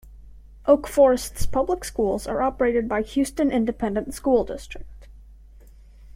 Oak Forest's public schools are operated by Houston Independent School District.